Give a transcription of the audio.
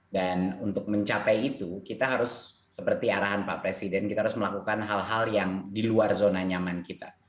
dan untuk mencapai itu kita harus seperti arahan pak presiden kita harus melakukan hal hal yang di luar zona nyaman kita